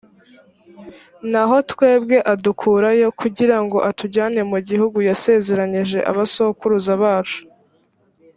naho twebwe adukurayo, kugira ngo atujyane mu gihugu yasezeranyije abasokuruza bacu